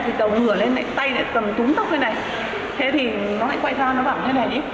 thì tẩu ngửa lên tay lại tầm túm tóc như thế này thế thì nó lại quay ra nó bảo như thế này